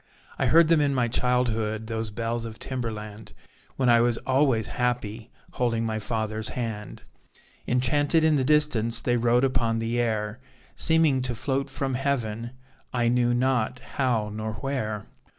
I heard them in my childhood, Those bells of Timberland, When I was always happy, Holding my father's hand. Enchanted in the distance, They rode upon the air, Seeming to float from Heaven; I knew not how nor where.